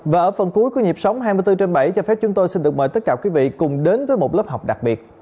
và ở phần cuối của nhịp sống hai mươi bốn trên bảy cho phép chúng tôi xin được mời tất cả quý vị cùng đến với một lớp học đặc biệt